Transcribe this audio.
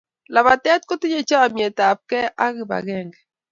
lapatet kotinyei chamyet apkei ak kipakenge